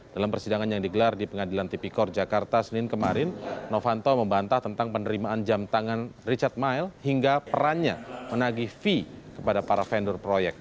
dalam persidangan yang digelar di pengadilan tipikor jakarta senin kemarin novanto membantah tentang penerimaan jam tangan richard mile hingga perannya menagih fee kepada para vendor proyek